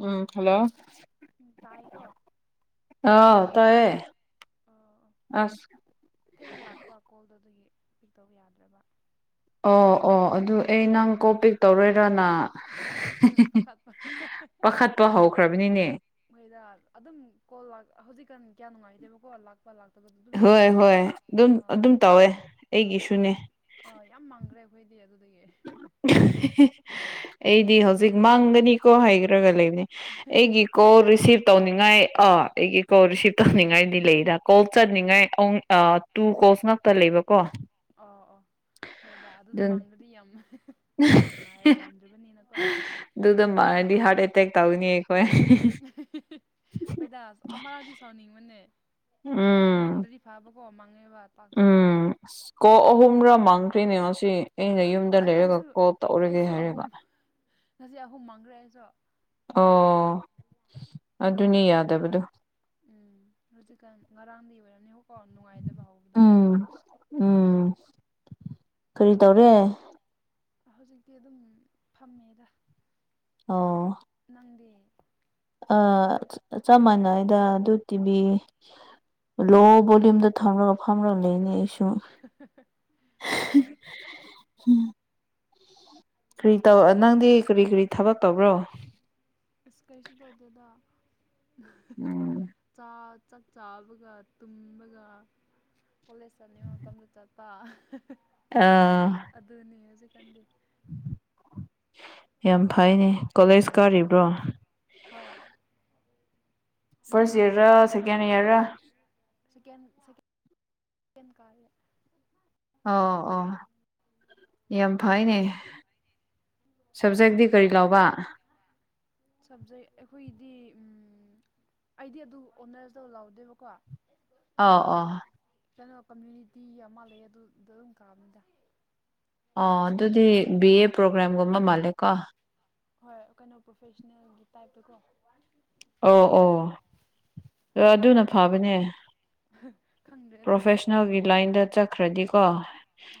ꯎꯝ hello ꯎꯝ ꯇꯥꯏꯀꯣ ꯑꯥꯎ ꯇꯥꯏꯌꯦ ꯑꯣ ꯑꯣ ꯑꯁ ꯊꯦꯡꯅ ꯂꯥꯛꯄ ꯀꯣꯜꯗꯣ ꯑꯗꯨꯒꯤ ꯄꯤꯛ ꯇꯧꯕ ꯌꯥꯗ꯭ꯔꯕ ꯑꯣ ꯑꯣ ꯑꯗꯨ ꯑꯩ ꯅꯪ ꯀꯣꯜ ꯄꯤꯛ ꯇꯧꯔꯣꯏꯔꯅ ꯄꯥꯈꯠꯄ ꯄꯥꯈꯠꯄ ꯍꯧꯈ꯭ꯔꯕꯅꯤꯅꯦ ꯃꯣꯏꯗ ꯑꯗꯨꯝ ꯀꯣꯜ ꯂꯛ ꯍꯧꯖꯤꯛꯀꯥꯟ ꯀꯌꯥ ꯅꯨꯡꯉꯥꯏꯇꯦꯕꯀꯣ ꯂꯛ ꯄꯥ ꯂꯥꯛꯇꯕꯗꯨ ꯑꯗꯨꯝ ꯍꯣꯏ ꯌꯥꯎꯋꯦꯕ ꯍꯣꯏ ꯑꯗꯨꯝ ꯑꯥ ꯑꯗꯨꯝ ꯇꯧꯋꯦ ꯑꯥ ꯑꯩꯒꯤꯁꯨꯅꯦ ꯌꯥꯝ ꯑ ꯌꯥꯝ ꯃꯥꯡꯒꯔꯦ ꯑꯩꯈꯣꯏꯗꯤ ꯑꯗꯨꯗꯒꯤ ꯑꯩꯗꯤ ꯍꯧꯖꯤꯛ ꯃꯥꯡꯒꯅꯤꯀꯣ ꯍꯥꯏꯈ꯭ꯔꯒ ꯂꯩ ꯑꯩꯒꯤ ꯀꯣꯜ ꯔꯤꯁꯤꯞ ꯇꯧꯅꯤꯡꯉꯥꯏꯥ ꯑꯥ ꯑꯩꯒꯤ ꯀꯣꯜ ꯔꯤꯁꯤꯞ ꯇꯧꯅꯤꯡꯉꯥꯏꯗꯤ ꯂꯩꯗ ꯀꯣꯜ ꯆꯠꯅꯤꯡꯉꯥꯏ [unintelligible] ꯇꯨ ꯀꯣꯜꯁ ꯉꯛꯇ ꯂꯩꯕꯀꯣ ꯑꯣ ꯑꯣ ꯍꯣꯏꯗꯥ ꯑꯗꯨꯗ ꯑꯗꯨ ꯃꯥꯡꯗ꯭ꯔꯗꯤ ꯌꯥꯝ ꯅꯨꯡꯉꯥꯏꯔꯣꯏ ꯌꯥꯝꯗ꯭ꯔꯤꯕꯅꯤꯅꯀꯣ ꯑꯗꯨꯗ ꯃꯥꯔꯗꯤ ꯍꯔꯠ ꯑꯦꯇꯦꯛ ꯇꯧꯅꯤ ꯍꯣꯏꯗꯥ ꯑꯃꯔꯥꯛꯗꯤ ꯁꯥꯎꯅꯤꯡꯕꯅꯦ ꯎꯝ ꯃꯪꯗꯗꯤ ꯐꯥꯕꯀꯣ ꯃꯪꯉꯦꯕ ꯎꯝ ꯑꯁ ꯀꯣꯛ ꯑꯍꯨꯝꯔꯥꯛ ꯃꯥꯡꯈ꯭ꯔꯦꯅꯦ ꯉꯁꯤ ꯑꯩꯅ ꯌꯨꯝꯗ ꯑꯩ ꯂꯩꯔꯒ ꯑꯩꯁꯨ ꯀꯣꯜ ꯇꯧꯔꯒꯦ ꯑꯩꯁꯨ ꯑꯍꯨꯝ ꯍꯥꯏꯔꯒ ꯉꯁꯤ ꯑꯍꯨꯝ ꯃꯪꯈ꯭ꯔꯦ ꯑꯩꯁꯨ ꯑꯣ ꯑꯗꯨꯅꯦ ꯌꯥꯗꯕꯗꯣ ꯎꯝ ꯍꯧꯖꯤꯛꯀꯥꯟ ꯉꯔꯥꯡꯗꯤ ꯑꯣꯏꯔꯝꯅꯤ ꯍꯣꯀꯣ ꯅꯨꯡꯉꯥꯏꯗꯕ ꯍꯧꯕꯗꯣ ꯎꯝ ꯎꯝ ꯀꯔꯤ ꯇꯧꯔꯦ ꯍꯧꯖꯤꯛꯇꯤ ꯑꯗꯨꯝ ꯐꯝꯃꯤꯗ ꯑꯣ ꯅꯪꯗꯤ ꯑ ꯆꯞ ꯃꯥꯟꯅꯩꯗ ꯑꯗꯨ ꯇꯤꯚꯤ ꯂꯣ ꯚꯣꯜꯂꯨꯝꯗ ꯊꯝ꯭ꯔꯒ ꯐꯝ꯭ꯔ ꯂꯩꯕꯅꯦ ꯑꯩꯁ ꯑꯥ [unintelligible] ꯀꯔꯤ ꯇꯧ ꯅꯪꯗꯤ ꯀꯔꯤ ꯀꯔꯤ ꯊꯕꯛ ꯇꯧꯕ꯭ꯔꯣ ꯏꯁ ꯀꯔꯤꯁꯨ ꯇꯧꯗꯦꯗ ꯎꯝ ꯆꯥ ꯆꯥꯛ ꯆꯥꯕꯒ ꯇꯨꯝꯕꯒ ꯀꯣꯂꯦꯖ ꯆꯠꯅꯤꯡꯕ ꯃꯇꯝꯗ ꯆꯠꯄ ꯑꯥ ꯑꯗꯨꯅꯦ ꯍꯧꯖꯤꯛꯀꯥꯟꯗꯤ ꯌꯥꯝ ꯐꯩꯅꯦ ꯀꯣꯂꯦꯖ ꯀꯥꯔꯤꯕ꯭ꯔꯣ ꯍꯣꯏ ꯐꯔꯁ ꯅꯪꯒꯤ ꯏꯌꯔ ꯔ ꯁꯦꯀꯦꯟ ꯏꯌꯔ ꯔ ꯁꯦꯀꯦꯟ ꯁꯀꯦꯟ ꯀꯥꯌꯦ ꯑ ꯑꯣ ꯌꯥꯝ ꯐꯩꯅꯦ ꯁꯕꯖꯦꯛꯇꯤ ꯀꯔꯤ ꯂꯧꯕ [unintelligible] ꯁꯕꯖꯦꯛ ꯑꯩꯈꯣꯏꯒꯤꯗꯤ ꯑꯩꯗꯤ ꯑꯗꯨ ꯑꯣꯅꯔꯁꯇꯣ ꯂꯥꯎꯗꯦꯕꯀꯣ ꯑꯧ ꯑꯣ ꯀꯩꯅꯣ ꯀꯝꯃ꯭ꯌꯨꯅꯤꯇꯤ ꯑꯃ ꯂꯩꯌꯦ ꯑꯗꯨ ꯑꯗꯗꯨꯝ ꯀꯥꯕꯅꯤꯗ ꯑꯣ ꯑꯗꯨꯗꯤ ꯕꯤ ꯑꯦ ꯄ꯭ꯔꯣꯒ꯭ꯔꯥꯝꯒꯨꯝꯕ ꯃꯥꯜꯂꯦꯀꯣ ꯍꯣꯏ ꯀꯩꯅꯣ ꯄ꯭ꯔꯣꯐꯦꯁꯅꯦꯜꯒꯤ ꯇꯥꯏꯞꯇꯀꯣ ꯑꯣ ꯑꯣ ꯑꯗꯨꯅ ꯐꯕꯅꯦ ꯈꯪꯗ꯭ꯔꯦꯗ ꯄ꯭ꯔꯣꯐꯦꯁꯅꯦꯜꯒꯤ ꯂꯥꯏꯟꯗ ꯆꯠ ꯈ꯭ꯔꯗꯤꯀꯣ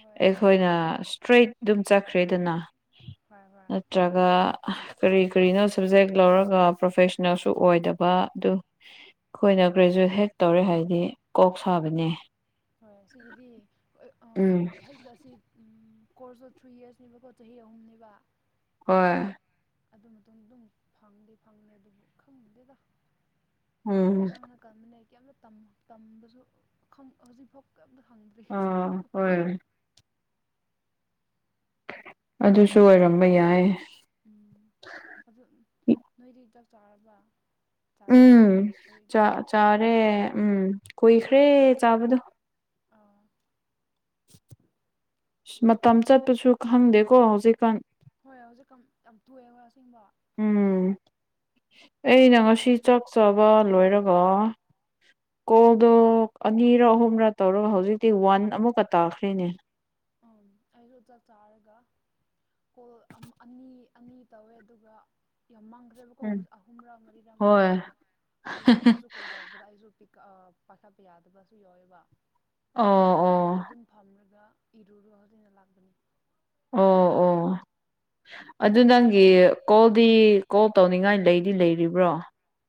ꯍꯣꯏ ꯏꯁꯇ꯭ꯔꯦꯠ ꯑꯗꯨꯝ ꯆꯠꯈ꯭ꯔꯦꯗꯅ ꯍꯣꯏ ꯍꯣꯏ ꯑ ꯇ꯭ꯔꯒ ꯀꯔꯤ ꯀꯔꯤꯅꯣ ꯁꯕꯖꯦꯛ ꯂꯧꯔꯒ ꯄ꯭ꯔꯣꯐꯦꯁꯅꯦꯜꯁꯨ ꯑꯣꯏꯗꯕ ꯑꯗꯨ ꯑꯩꯈꯣꯏꯅ ꯒ꯭ꯔꯦꯖꯨꯋꯦꯠ ꯍꯦꯛ ꯇꯧꯔꯦ ꯍꯥꯏꯗꯤ ꯀꯣꯛ ꯁꯥꯕꯅꯦ꯫ ꯍꯣꯏ ꯁꯤꯒꯤꯗꯤ ꯑꯥ ꯎꯝ꯫ ꯑꯩꯇ ꯑꯁꯤ ꯑꯝ ꯀꯣꯔꯁꯇꯣ ꯊ꯭ꯔꯤ ꯌꯔꯁꯅꯦꯕꯀꯣ ꯆꯍꯤ ꯑꯍꯨꯝꯅꯦꯕ ꯍꯣꯏ꯫ ꯑꯗꯨ ꯃꯇꯨꯡ ꯑꯗꯨꯝ ꯐꯪꯗꯤ ꯐꯪꯑꯦ ꯑꯗꯨꯕꯨ ꯈꯪꯗꯦꯗ ꯎꯝ ꯏꯔꯥꯡꯅ ꯀꯟꯕꯅꯦ ꯀꯔꯤꯝꯇ ꯇꯝ ꯇꯝꯕꯁꯨ ꯈꯪ ꯍꯧꯖꯤꯛꯐꯥꯎ ꯀꯔꯤꯝꯇ ꯈꯪꯗ꯭ꯔꯤ꯫ ꯑꯥ ꯍꯣꯏ꯫ ꯑꯗꯨꯁꯨ ꯑꯣꯏꯔꯝꯕ ꯌꯥꯏ꯫ ꯎꯝ ꯑꯗꯨ ꯅꯣꯏꯗꯤ ꯆꯥꯛ ꯆꯥꯔꯕ꯫ ꯆꯥꯔꯝꯅꯤꯀꯣ ꯎꯝ ꯆꯥꯛ ꯑꯩꯒꯤꯗꯤ ꯆꯥꯔꯦ ꯎꯝ ꯀꯨꯏꯈ꯭ꯔꯦ ꯆꯥꯕꯗꯣ꯫ ꯑꯥ꯫ ꯏꯁ ꯃꯇꯝ ꯆꯠꯄꯁꯨ ꯈꯪꯗꯦꯀꯣ ꯍꯧꯖꯤꯛꯀꯥꯟ꯫ ꯍꯣꯏ ꯍꯧꯖꯤꯛ ꯀꯥꯝ ꯌꯥꯝ ꯊꯣꯛꯑꯦ ꯍꯣꯏ ꯑꯁꯦꯡꯕ꯫ ꯎꯝ ꯑꯩꯅ ꯉꯁꯤ ꯆꯥꯛ ꯆꯕ ꯂꯣꯏꯔꯒ ꯀꯣꯜꯗꯣ ꯑꯅꯤꯔ ꯑꯍꯨꯝꯔꯛ ꯇꯧꯔꯒ ꯍꯧꯖꯤꯛꯇꯤ ꯋꯥꯟ ꯑꯃꯨꯛꯀ ꯇꯥꯈ꯭ꯦꯅꯦ꯫ ꯑ ꯑꯩꯁꯨ ꯆꯥꯛ ꯆꯥꯔꯒ ꯀꯣꯜ ꯑꯝ ꯑꯅꯤ ꯑꯅꯤ ꯇꯧꯋꯦ ꯑꯗꯨꯒ ꯌꯥꯝ ꯃꯥꯟꯈ꯭ꯔꯦꯕꯀꯣ ꯎꯝ ꯑꯍꯨꯝꯔꯛ ꯃꯔꯤꯔꯛ ꯃꯥꯡꯉꯦ ꯍꯣꯏ ꯑꯩꯁꯨ ꯑꯗꯨ ꯃꯤꯅꯁꯨ ꯀꯣꯜ ꯇꯧꯔꯛ ꯇꯧꯕꯗ ꯑꯩꯁꯨ ꯄꯤꯛ ꯑ ꯄꯥꯏꯈꯠꯄ ꯌꯥꯗꯕꯁꯨ ꯌꯥꯎꯋꯦꯕ꯫ ꯑꯣ ꯑꯣ꯫ ꯐꯝꯂꯒ ꯏꯔꯨꯔꯣ ꯍꯨꯔꯦꯟꯗꯣ ꯂꯥꯛꯕꯅꯤ꯫ ꯑꯣ ꯑꯣ ꯑꯗꯨ ꯅꯪꯒꯤ ꯀꯣꯜꯗꯤ ꯀꯣꯜ ꯇꯧꯅꯤꯡꯉꯥꯏ ꯂꯩꯗꯤ ꯂꯩꯔꯤꯕ꯭ꯔꯣ꯫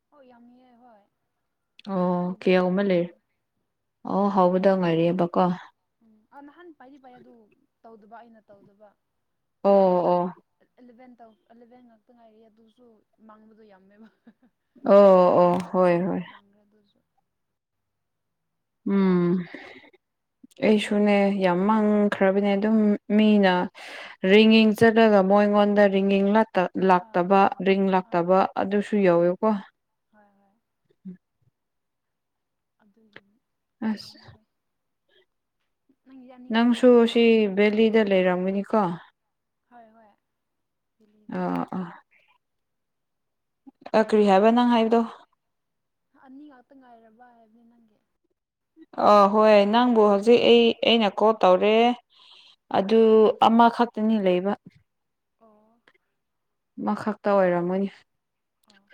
ꯍꯣꯏ ꯌꯝꯃꯤꯌꯦ ꯍꯣꯏ꯫ ꯑꯣ ꯍꯧꯕꯗ ꯀꯦꯌꯥꯒꯨꯝꯕ ꯂꯩ ꯉꯥꯏꯔꯤꯅꯦ ꯑꯣ ꯍꯧꯕꯗ ꯎꯝ ꯉꯥꯏꯔꯤꯑꯦꯕꯀꯣ꯫ ꯎꯝ ꯑ ꯅꯍꯥꯟ ꯄꯥꯏꯗꯤ ꯄꯥꯏ ꯑꯗꯨ ꯇꯧꯗꯕ ꯑꯩꯅ ꯇꯧꯗꯕ ꯑꯣ ꯏꯂꯚꯦꯟ ꯑꯣ ꯑꯦꯂꯚꯦꯟ ꯇꯧ ꯑꯦꯂꯚꯦꯟ ꯉꯥꯛꯇ ꯉꯥꯏꯔꯤꯑꯦ ꯑꯗꯨꯁꯨ ꯃꯥꯡꯕꯗꯣ ꯌꯥꯝꯃꯦꯕ꯫ ꯑꯣ ꯑꯣ ꯃꯉꯥꯔ ꯍꯣꯏ ꯍꯣꯏ ꯃꯔꯤꯔ ꯃꯥꯡꯒꯔꯦ ꯑꯗꯨꯖꯨ꯫ ꯎꯝ꯫ ꯑꯩꯁꯨꯅꯦ ꯌꯥꯝ ꯃꯥꯡꯈ꯭ꯔꯕꯅꯦ ꯑꯗꯨꯝ ꯃꯤꯅ ꯔꯤꯒꯤꯡ ꯆꯠꯂꯒ ꯃꯣꯏ ꯑꯩꯉꯣꯟꯗ ꯔꯤꯒꯤꯡ ꯂꯥꯛ ꯑꯥ ꯂꯥꯛꯇꯕ ꯑꯥ ꯔꯤꯡ ꯑꯥ ꯂꯥꯛꯇꯕ ꯑꯗꯨꯁꯨ ꯎꯝ ꯌꯥꯎꯋꯦꯕꯀꯣ ꯍꯣꯏ ꯍꯣꯏ꯫ ꯑꯗꯨꯒꯤ ꯌꯥꯝ ꯑꯁ ꯃꯥꯡꯉꯦ ꯍꯥꯏ ꯅꯪ ꯑꯅꯤ ꯉꯥꯛꯇ ꯅꯪꯁꯨ ꯋꯥꯠꯂꯦꯕ꯫ ꯁꯤ ꯕꯦꯂꯤꯗ ꯂꯩꯔꯝꯒꯅꯤꯀꯣ꯫ ꯍꯣꯏ ꯍꯣꯏ ꯕꯦꯂꯤꯗ ꯂꯩꯌꯦ꯫ ꯑꯥ ꯑꯥ ꯀ꯭ꯔꯤ ꯍꯥꯏꯕ ꯅꯪ ꯍꯥꯏꯕꯗꯣ꯫ ꯍꯥ ꯑꯅꯤ ꯉꯥꯛꯇ ꯉꯥꯏꯔꯕ ꯍꯥꯏꯕꯅꯤ ꯅꯪꯒꯤ꯫ ꯑꯥ ꯍꯣꯏ ꯅꯪꯕꯨ ꯍꯧꯖꯤꯛ ꯑꯩ ꯑꯩꯅ ꯀꯣꯜ ꯇꯧꯔꯦ ꯑꯗꯨ ꯑꯃꯈꯛꯇꯅꯤ ꯂꯩꯕ ꯑꯣ ꯑꯃꯈꯛꯇ ꯑꯣꯏꯔꯝꯒꯅꯤ꯫ ꯑꯥ꯫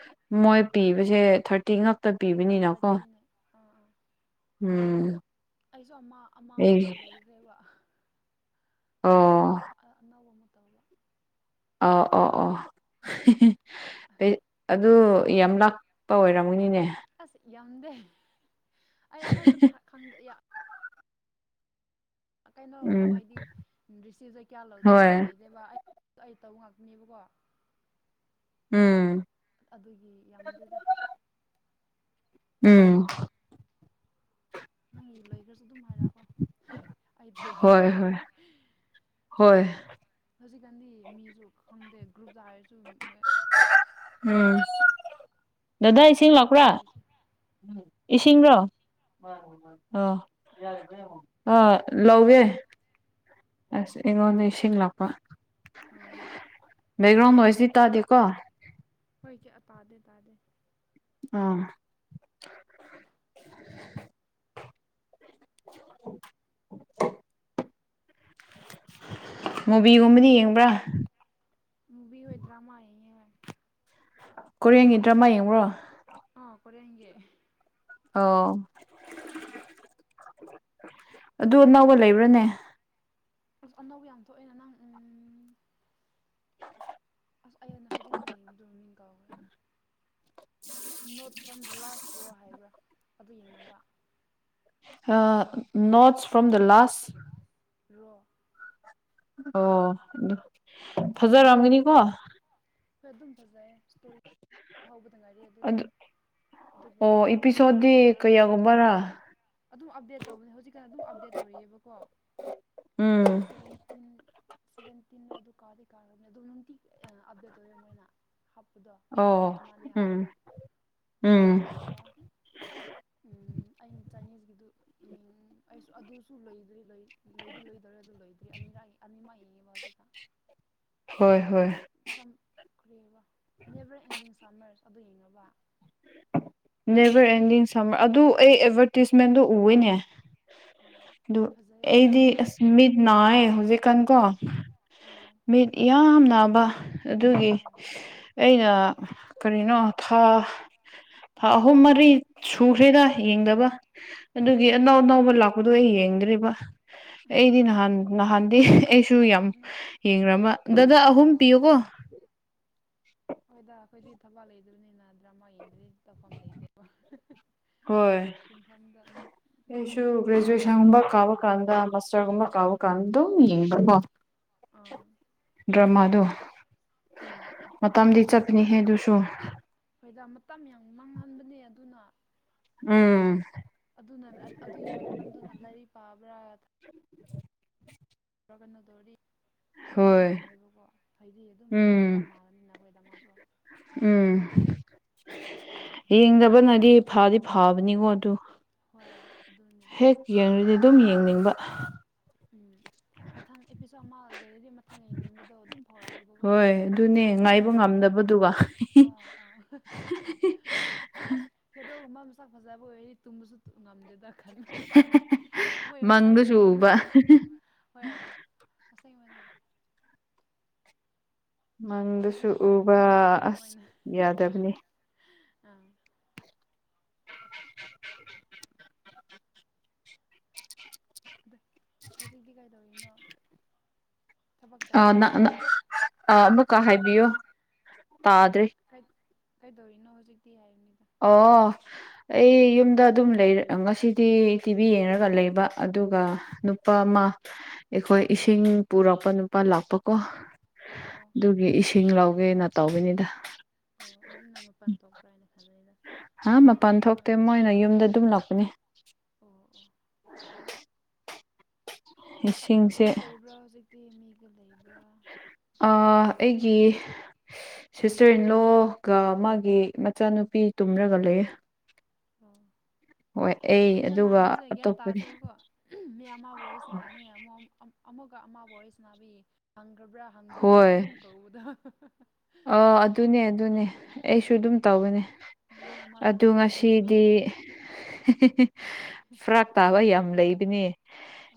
ꯃꯣꯏ ꯄꯤꯕꯁꯦ ꯊꯥꯔꯇꯤ ꯉꯥꯛ ꯍꯣꯏ ꯊꯥꯔꯇꯤꯅꯦ ꯑꯥ ꯑꯥ꯫ ꯎꯝ꯫ ꯑꯩꯁꯨ ꯑꯃ ꯑꯃ ꯑꯩ ꯑꯩꯗꯤ ꯂꯩꯈ꯭ꯔꯦꯕ ꯑꯣ ꯑꯥ ꯑꯅꯧꯕ ꯑꯃꯥ ꯇꯧꯕ꯭ꯔ‌ꯣ ꯑꯥ ꯑꯣ ꯑꯣ ꯗꯩ ꯑꯗꯨ ꯌꯥꯝ ꯂꯥꯞ ꯄ ꯑꯣꯏꯔꯝꯃꯅꯤꯅꯦ ꯑꯁ ꯌꯥꯝꯗꯦ ꯑꯩ ꯑꯍꯥꯟꯕ ꯊꯥ ꯈꯪꯗ‌ꯦ ꯌꯥ ꯀꯩꯅꯣ ꯗꯨꯒ ꯎꯝ ꯃꯥꯏꯗꯤ ꯔꯤꯁꯤꯞꯁꯦ ꯀꯌꯥ ꯂꯧ ꯀꯌꯥ ꯍꯣꯏ ꯄꯥꯏꯗꯦꯕ ꯑꯩ ꯇꯧꯕ ꯉꯥꯛꯇꯅꯦꯕꯀꯣ ꯎꯝ ꯑꯗꯨꯒꯤ ꯌꯥꯝꯗ‌ꯦꯗ ꯎꯝ ꯅꯪꯒꯤ ꯂꯣꯏ ꯈꯔꯁꯨ ꯑꯗꯨꯝ ꯍꯥꯏꯔꯛꯑꯣ ꯑꯩ ꯍꯣꯏ ꯇꯧꯕꯤꯒꯦ ꯍꯣꯏ ꯍꯣꯏ ꯍꯧꯖꯤꯛꯀꯥꯟꯗꯤ ꯃꯤꯁꯨ ꯈꯪꯗꯦ ꯒ꯭ꯔꯨꯞꯇ ꯍꯥꯏꯔꯁꯨ ꯃꯣꯏ ꯎꯝ ꯗꯗꯥ ꯏꯁꯤꯡ ꯌꯥꯔꯛꯇꯕ ꯂꯥꯛꯄ꯭ꯔꯥ ꯍꯥꯏꯁꯦ ꯏꯁꯤꯡꯔꯣ ꯃꯅ‌ꯦ ꯃꯅ‌ꯦ ꯑ‌ꯣ ꯑꯗ ꯌ‌ꯦꯡꯉ‌ꯣ ꯍ‌ꯣꯏ ꯂꯧꯋꯦ ꯑꯁ ꯑꯩꯉꯣꯟꯗ ꯏꯁꯤꯡ ꯂꯥꯛꯄ ꯑꯣ ꯕꯦꯛꯒ꯭ꯔꯥꯎꯟ ꯅ‌ꯣꯏꯁ ꯁꯤ ꯇꯥꯗ‌ꯦꯀ‌ꯣ ꯍꯣꯏ ꯀꯌꯥ ꯇꯥꯗꯦ ꯇꯥꯗꯦ ꯑꯥ [inaudible] ꯃꯨꯕꯤꯒꯨꯝꯗꯤ ꯌꯦꯡꯕ꯭ꯔꯥ ꯃꯨꯚꯤ ꯑꯣꯏ ꯗ꯭ꯔꯥ ꯑꯃꯥ ꯌ‌ꯦꯡꯉ‌ꯦ ꯀꯣꯔꯤꯌꯥꯟꯒꯤ ꯗ꯭ꯔꯃꯥ ꯌꯦꯡꯕ꯭ꯔꯣ ꯑꯥ ꯀꯣꯔꯤꯌꯥꯟꯒꯤ ꯑꯣ ꯑꯗꯨ ꯑꯅꯧꯕ ꯂꯩꯕ꯭ꯔꯥꯅꯦ ꯑꯁ ꯑꯅꯧꯕ ꯌꯥꯝ ꯊꯣꯛꯑꯦꯅ ꯅꯪ ꯑꯁ ꯑꯩꯅ ꯍꯧꯖꯤꯛꯇꯪ ꯌꯦꯡꯒꯤꯕꯗ‌ꯣ ꯃꯃꯤꯡ ꯀꯥꯎꯈ꯭ꯔꯦ ꯅꯣꯠꯁ ꯐ꯭ꯔꯣꯝ ꯗ ꯂꯥꯁ ꯔꯣ ꯍꯥꯏꯕ꯭ꯔꯥ ꯑꯗꯨ ꯌꯦꯡꯔꯕ ꯑꯥ ꯅꯣꯠꯁ ꯐ꯭ꯔꯣꯝ ꯗꯥ ꯂꯥꯁ ꯔꯣ ꯑꯣ ꯗꯨ ꯐꯖꯔꯝꯒꯅꯤꯀꯣ ꯈꯔ ꯗꯨꯝ ꯐꯖꯩꯌ‌ꯦ ꯏꯁꯇꯣꯔꯤ ꯍꯧꯕꯗ ꯉꯥꯏꯔꯤ ꯗꯨꯗꯤ ꯑꯗꯨ ꯑꯗꯨꯒ ꯑꯣ ꯃꯃꯥꯡꯗ ꯌꯦꯡꯕꯅ ꯏꯄꯤꯁꯣꯠꯗꯤ ꯀꯌꯥꯒꯨꯝꯕꯔꯥ ꯑꯗꯨ ꯑꯞꯗꯦꯠ ꯇꯧꯕꯅꯦ ꯍꯧꯖꯤꯛꯀꯥꯟ ꯑꯗꯨꯝ ꯑꯞꯗꯦꯠ ꯇꯧꯔꯛꯑꯦꯕꯀꯣ ꯎꯝ ꯋ‌ꯦꯟꯇꯤꯟ ꯁꯚꯦꯟꯇꯤꯟꯔ ꯑꯗꯨ ꯀꯥꯎꯗꯤ ꯀꯥꯎꯕꯅꯦ ꯑꯗꯨꯝ ꯅꯨꯡꯇꯤ ꯑꯞꯗꯦꯠ ꯇꯧꯋꯦ ꯃꯣꯏꯅ ꯍꯥꯞꯄꯗꯣ ꯑꯃ ꯑꯅꯤ ꯑꯣ ꯑꯃꯥ ꯑꯅꯤ ꯎꯝ ꯍꯥꯞꯄꯗꯣ ꯎꯝ ꯑꯗꯨꯒ ꯎꯝ ꯑꯩꯅ ꯆꯥꯏꯅꯤꯁꯀꯤꯗꯨ ꯌ‌ꯦꯡ ꯑꯩꯁꯨ ꯑꯗꯨꯁꯨ ꯂꯩꯔꯤ ꯂꯩ ꯂꯩꯗꯤ ꯂꯩꯗ‌ꯣꯔꯦ ꯑꯗꯨ ꯂ‌ꯣꯏ ꯖꯤꯛ ꯑꯅꯤꯔꯛ ꯑꯅꯤꯃꯛ ꯌꯦꯉꯦꯕꯥ ꯍꯧꯖꯤꯛꯗ ꯍꯣꯏ ꯍꯣꯏ ꯁꯝ ꯅꯦꯚ꯭ꯔ ꯑꯦꯟꯗꯤꯡ ꯁꯝꯃ꯭ꯔ ꯑꯗꯨ ꯌꯦꯡꯉꯕ ꯅꯦꯚ꯭ꯔ ꯑꯦꯟꯗꯤꯡ ꯁꯝꯃꯔ ꯑꯗꯨ ꯑꯩ ꯑꯦꯗꯚ꯭ꯔꯇꯤꯁꯃꯦꯟꯗꯣ ꯎꯋ‌ꯦꯅꯦ ꯑꯥ ꯑꯗꯨ ꯐꯖꯩ ꯑꯗꯨꯗꯣ ꯑꯩꯗꯤ ꯑꯁ ꯃꯤꯠ ꯅꯥꯏꯑ‌ꯦ ꯍꯧꯖꯤꯛꯀꯥꯟ ꯀꯣ ꯑꯣ ꯃꯤꯠ ꯌꯥꯝ ꯅꯥꯕ ꯑꯗꯨꯒꯤ ꯑꯣ ꯑꯩꯅ ꯀꯔꯤꯅꯣ ꯊꯥ ꯊꯥ ꯑꯍꯨꯝ ꯃꯔꯤ ꯁꯨꯈ꯭ꯔꯦꯗ ꯌꯦꯡꯗꯕ ꯑꯗꯨꯒꯤ ꯑꯅꯥꯎ ꯑꯣ ꯑꯅꯥꯎꯕ ꯂꯥꯛꯄꯗꯣ ꯑꯩ ꯌꯦꯡꯗ꯭ꯔꯤꯕ ꯑꯩꯗꯤ ꯅꯍꯥꯟ ꯅꯍꯥꯟꯗꯤ ꯑꯩꯁꯨ ꯌꯥꯝ ꯎꯝ ꯌꯦꯡꯔꯝꯃ ꯗꯥꯗꯥ ꯑꯍꯨꯝ ꯑꯣ ꯄꯤꯌꯨꯀꯣ ꯍꯣꯏꯗ ꯑꯩꯈꯣꯏꯗꯤ ꯊꯕꯥꯛ ꯂꯩꯗꯕꯅꯤꯅ ꯗ꯭ꯔꯃꯥ ꯌꯦꯡꯗ꯭ꯔꯥꯗꯤ ꯇꯧꯐꯝ ꯂꯩꯇꯦꯕ [unintelligible] ꯍꯣꯏ ꯅꯨꯡꯊꯤꯜ ꯑꯩꯁꯨ ꯆꯨꯞꯄ ꯗ꯭ꯔꯃꯥ ꯒ꯭ꯔꯦꯖꯋꯦꯁꯟꯒꯨꯝꯕ ꯌꯦꯡꯔ ꯀꯥꯕ ꯂꯩꯅꯤ ꯀꯥꯟꯗ ꯃꯥꯁꯇꯔꯒꯨꯝꯕ ꯀꯥꯕ ꯀꯥꯟꯗꯨꯝ ꯌꯦꯡꯕꯀꯣ ꯑꯥ ꯗ꯭ꯔꯃꯥꯗꯣ ꯎꯝ ꯃꯇꯝꯗꯤ ꯆꯠꯄꯅꯤꯍꯦ ꯑꯗꯨꯁꯨ ꯍꯣꯏꯗ ꯃꯇꯝ ꯌꯥꯝ ꯃꯥꯡꯍꯟꯕꯅꯦ ꯑꯗꯨꯅ ꯎꯝ ꯑꯗꯨꯅ [unintelligible] ꯑꯗꯨꯒꯤ ꯃꯇꯝꯗꯨꯅ ꯂꯥꯏꯔꯤꯛ ꯄꯥꯕ꯭ꯔꯥ [unintelligible] ꯥ [unintelligible] ꯇꯧꯔꯗꯤ ꯑꯗꯨꯃꯛ ꯍꯣꯏ ꯃꯪꯉꯣꯏꯕꯀꯣ ꯍꯥꯏꯗꯤ ꯑꯗꯨꯝ ꯎꯝ ꯀꯅ ꯎꯝ ꯅꯈꯣꯏꯗꯃꯁꯨ ꯎꯝ ꯌꯦꯡꯗꯕꯅꯗꯤ ꯐꯗꯤ ꯐꯥꯕꯅꯤꯀꯣ ꯑꯗꯨ ꯍꯣꯏ ꯑꯗꯨꯅꯤ ꯍꯦꯛ ꯌꯦꯡꯉꯗꯤ ꯑꯗꯨꯝ ꯌꯦꯡꯅꯤꯡꯕ ꯎꯝ ꯃꯊꯪ ꯑꯦꯄꯤꯁꯣꯠ ꯑꯃ ꯂꯣꯏꯔꯗꯤ ꯃꯊꯪ ꯌꯦꯡꯅꯤꯡꯕꯗꯣ ꯑꯗꯨꯝ ꯐꯥꯎꯔꯛꯑꯦꯕꯀꯣ ꯍꯣꯏ ꯑꯗꯨꯅꯦ ꯑꯁꯤꯗꯤ ꯉꯥꯏꯕ ꯂꯣꯏꯒꯦ ꯍꯥꯏꯅ ꯉꯝꯗꯕꯗꯨꯒ ꯈꯜꯂꯁꯨ ꯑ ꯑ ꯑꯁ ꯍꯦꯔꯣꯒꯨꯝꯕ ꯃꯁꯛ ꯐꯖꯕ ꯑꯣꯏꯔꯗꯤ ꯇꯨꯝꯕꯁꯨ ꯉꯝꯗꯦꯗ [unintelligible] ꯃꯣꯏ ꯋꯥꯈꯟ ꯃꯪꯗꯁꯨ ꯈꯟꯕꯅ ꯎꯕ ꯍꯣꯏ ꯑꯁꯦꯡꯕꯅꯦ ꯃꯪꯗꯁꯨ ꯍꯧꯖꯤꯛꯀꯥꯟ ꯑꯩ ꯎꯕ ꯀꯟꯅ ꯇꯧꯔꯤ ꯑꯁ ꯑꯗꯨꯃꯥꯏꯅ ꯌꯥꯗꯕꯅꯤ [unintelligible] [inaudible] [unintelligible] ꯍꯧꯖꯤꯛꯇꯤ ꯀꯩꯗꯧꯔꯤꯅꯣ ꯊꯕꯛ ꯑꯥ ꯇꯧꯕ꯭ꯔ ꯅ ꯅꯪ ꯅ ꯑꯥ ꯑꯃꯨꯛꯀ ꯍꯥꯏꯕꯤꯌꯣ ꯇꯥꯗ꯭ꯔꯦ ꯀꯩ ꯀꯩꯗꯧꯔꯤꯅꯣ ꯍꯧꯖꯤꯛꯇꯤ ꯍꯥꯏꯕꯅꯤꯗ ꯑꯣ ꯑꯩ ꯌꯨꯝꯗ ꯑꯗꯨꯝ ꯂꯩ ꯉꯁꯤꯗꯤ ꯇꯤꯚꯤ ꯌꯦꯡꯔꯒ ꯂꯩꯕ ꯑꯗꯨꯒ ꯅꯨꯄꯥ ꯑꯃ ꯑꯩꯈꯣꯏ ꯏꯁꯤꯡ ꯄꯨꯔꯛꯄ ꯅꯨꯄꯥ ꯂꯥꯛꯄꯀꯣ ꯑꯣ ꯑꯣ ꯑꯗꯨꯒꯤ ꯏꯁꯤꯡ ꯂꯧꯒꯦꯅ ꯇꯧꯕꯅꯤꯗ ꯑꯣ ꯑꯩꯗꯤ ꯅꯪ ꯃꯄꯥꯜ ꯊꯣꯛꯄ꯭ꯔꯥ ꯍꯥꯏꯅ ꯈꯟꯕꯅꯤꯗ ꯍꯥ ꯑꯗꯨ ꯃꯤ ꯃꯄꯥꯟ ꯀꯩꯅꯣ ꯊꯣꯛꯇꯦ ꯃꯣꯏꯅ ꯌꯨꯝꯗ ꯗꯨꯝ ꯂꯥꯛꯄꯅꯦ ꯑꯣ ꯑꯣ ꯏꯁꯤꯡꯁꯦ ꯅꯊꯟꯗ ꯂꯩꯕ꯭ꯔꯥ ꯍꯧꯖꯤꯛꯇꯤ ꯃꯤꯒ ꯂꯩꯕ꯭ꯔꯥ ꯑꯥ ꯑꯩꯒꯤ ꯁꯤꯁꯇꯔ ꯏꯟꯂꯣꯒ ꯃꯥꯒꯤ ꯃꯆꯥꯅꯨꯄꯤ ꯇꯨꯝꯔꯒ ꯂꯩꯌꯦ ꯑꯣ ꯍꯣꯏ ꯑꯩ ꯀꯣꯏꯁꯟ ꯑꯗꯨꯒ ꯍꯪꯕꯁꯦ ꯒ꯭ꯌꯥꯟ ꯑꯇꯣꯞꯄꯗꯤ ꯇꯥꯗꯦꯀꯣ [unintelligible] ꯃꯤ ꯑꯃꯒ ꯋꯥꯔꯤꯁꯅꯥꯅꯤ ꯑꯃꯨ ꯑꯃꯨꯛꯀ ꯑꯃ ꯋꯥꯔꯤꯁꯅꯥꯕꯩ ꯍꯪꯈ꯭ꯔꯕ꯭ꯔꯥ ꯍꯪꯗ꯭ꯔꯤꯕ꯭ꯔꯥꯁꯨ ꯑꯗꯨꯝ ꯀꯧꯕꯗꯣ [unintelligible] ꯑꯣ ꯑꯗꯨꯅꯦ ꯑꯗꯨꯅꯦ ꯑꯩꯁꯨ ꯑꯗꯨꯝ ꯇꯧꯕꯅꯦ ꯃꯤ ꯑꯃꯗ ꯑꯗꯨ ꯑꯅꯤꯔꯛ ꯑꯍꯨꯝꯔꯛ ꯉꯁꯤꯗꯤ ꯍꯥꯡꯕꯗ [unintelligible] ꯐꯔꯛ ꯇꯥꯕ ꯌꯥꯝ ꯂꯩꯕꯅꯦ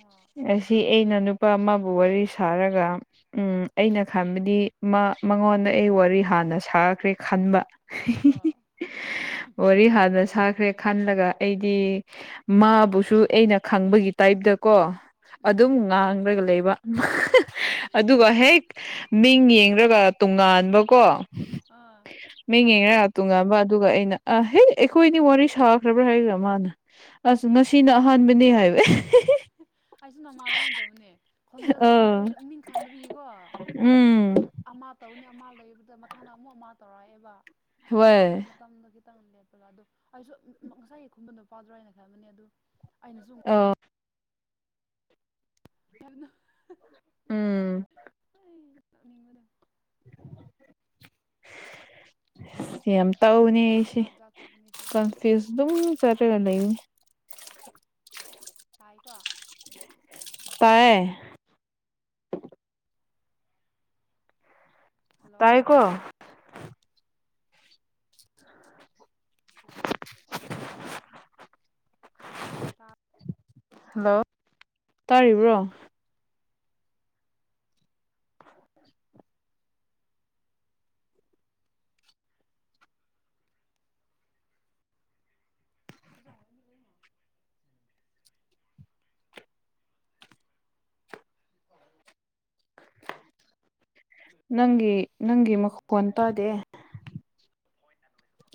ꯑꯣ ꯑꯁꯤ ꯑꯩꯅ ꯅꯨꯄꯥ ꯑꯃꯕꯨ ꯋꯥꯔꯤ ꯁꯥꯔꯒ ꯎꯝ ꯑꯩꯅ ꯈꯟꯕꯗꯤ ꯃꯥ ꯃꯉꯣꯟꯗ ꯑꯩ ꯋꯥꯔꯤ ꯍꯥꯟꯅ ꯁꯥꯈ꯭ꯔꯦ ꯈꯟꯕ ꯑꯣ ꯋꯥꯔꯤ ꯍꯥꯟꯅ ꯁꯥꯈ꯭ꯔꯦ ꯈꯜꯂꯒ ꯑꯩꯗꯤ ꯃꯥꯕꯨꯁꯨ ꯑꯩꯅ ꯈꯪꯕꯒꯤ ꯇꯥꯏꯞꯇꯀꯣ ꯎꯝ ꯑꯗꯨꯝ ꯎꯝ ꯉꯥꯡꯔꯒ ꯂꯩꯕ ꯑꯗꯨꯒ ꯍꯦꯛ ꯃꯤꯡ ꯌꯦꯡꯔꯒ ꯇꯣꯉꯥꯟꯕꯀꯣ ꯑꯥ ꯃꯤꯡꯌꯦꯡꯔꯒ ꯇꯨꯉꯥꯟꯕ ꯑꯗꯨꯒ ꯑꯩꯅ ꯑꯥ ꯍꯦ ꯑꯩꯈꯣꯏꯅꯤ ꯋꯥꯔꯤ ꯁꯥꯈ꯭ꯔꯕ꯭ꯔꯥ ꯍꯥꯏꯒ꯭ꯔꯥ ꯃꯥꯅ ꯑꯁ ꯉꯁꯤꯅ ꯑꯍꯥꯟꯕꯅꯦ ꯍꯥꯏꯋꯦ ꯑꯩꯁꯨ ꯅꯣꯡꯃ ꯑꯗꯨꯃꯥꯏꯟ ꯇꯧꯕꯅꯦ ꯈꯣꯟꯖꯦꯜꯗꯣ ꯑ ꯑꯩꯈꯣꯏꯁꯨ ꯃꯤꯡ ꯈꯪꯗꯕꯒꯤꯀꯣ ꯎꯝ ꯑꯗꯨꯝ ꯑꯃ ꯇꯧꯅꯤ ꯑꯃ ꯂꯩꯕꯗ ꯃꯊꯪꯗ ꯑꯃꯨꯛ ꯃꯥ ꯇꯧꯔꯛꯑꯦꯕ ꯈꯤꯇꯪ ꯍꯣꯏ ꯇꯝꯗꯣ ꯈꯤꯇꯪ ꯂꯦꯞꯄꯒ ꯑꯗꯨ ꯑꯩꯁꯨ ꯉꯁꯥꯏꯒꯤ ꯈꯨꯝꯕ ꯅꯨꯄꯥꯗꯨꯔ ꯍꯥꯏꯅ ꯈꯟꯕꯅꯦ ꯑꯗꯨ ꯑꯩꯅꯁꯨ ꯑꯥ ꯌꯥꯝꯅ ꯎꯝ [unintelligible] ꯌꯥꯝ ꯇꯧꯅꯤ ꯑꯩꯁꯦ ꯖꯥꯠ ꯖꯥꯠ ꯊꯣꯛꯄꯅꯦ ꯁꯤꯁꯨ ꯀꯟꯐꯨꯏꯁ ꯑꯗꯨꯝ ꯆꯠꯔꯒ ꯂꯩꯕꯅꯤ ꯇꯥꯏꯀꯣ ꯇꯥꯏꯌꯦ ꯍꯜꯂꯣ ꯇꯥꯔꯦꯀꯣ ꯇ ꯍꯜꯂꯣ ꯇꯥꯔꯤꯕ꯭ꯔꯣ ꯃꯖꯥꯎꯅ ꯃꯤ ꯂꯩ [unintelligible] [unintelligible] ꯅꯪꯒꯤ ꯅꯪꯒꯤ ꯃꯈꯣꯟ ꯇꯥꯗꯦ [unintelligible]